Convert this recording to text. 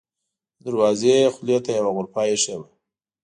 د دروازې خولې ته یوه غرفه اېښې وه.